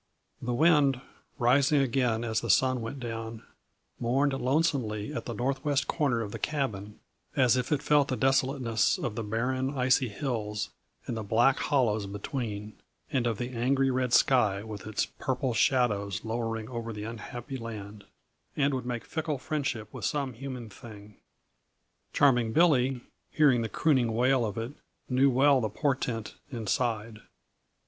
_ The wind, rising again as the sun went down, mourned lonesomely at the northwest corner of the cabin, as if it felt the desolateness of the barren, icy hills and the black hollows between, and of the angry red sky with its purple shadows lowering over the unhappy land and would make fickle friendship with some human thing. Charming Billy, hearing the crooning wail of it, knew well the portent and sighed.